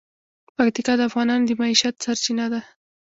پکتیکا د افغانانو د معیشت سرچینه ده.